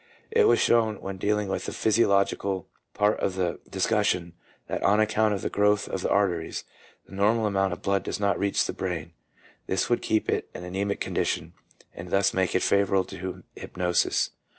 It was shown, when dealing with the physiological part of the discussion, that on account of the growth of the arteries, the normal amount of blood does not reach the brain. This would keep it in an anemic condition, and thus make it favourable to hypnosis.